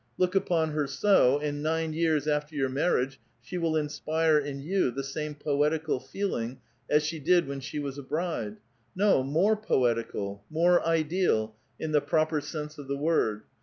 Look A VITAL QUESTION. 363 u[K)n her so, and nine years after your '/tarriage she will inspire in you the same poetical feeling as she did when she was a bride — no, more poetical, more ideal, in the proper sense of the word.